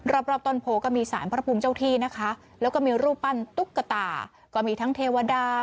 รอบรอบต้นโพก็มีสารพระภูมิเจ้าที่นะคะแล้วก็มีรูปปั้นตุ๊กตาก็มีทั้งเทวดา